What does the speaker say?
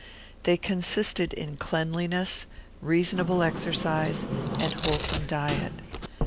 They consisted in cleanliness, reasonable exercise, and wholesome diet.